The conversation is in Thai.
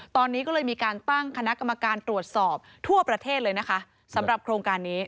ตอนนี้ก็เลยมีการตั้งคณะกรรมการตรวจสอบทั่วประเทศเลยนะคะสำหรับโครงการนี้